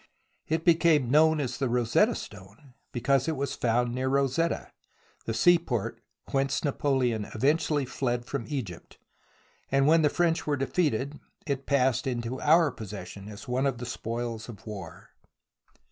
It became known as the Rosetta Stone because it was found near Rosetta, the seaport whence Napoleon eventually fled from Egypt, and when the French were defeated it passed into our possession as one of the spoils of war.